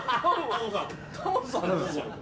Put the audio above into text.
タモさんですよ。